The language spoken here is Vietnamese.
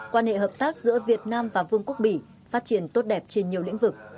quan hệ hợp tác giữa việt nam và vương quốc bỉ phát triển tốt đẹp trên nhiều lĩnh vực